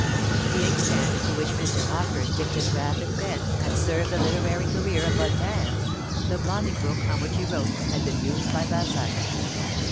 The inkstand into which Mr. Hawkehurst dipped his rapid pen had served the literary career of Voltaire; the blotting book on which he wrote had been used by Balzac.